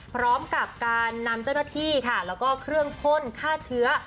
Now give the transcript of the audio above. พร้อมกับการนำเจ้าหน้าที่ค่ะแล้วก็เครื่องพ่นฆ่าเชื้อ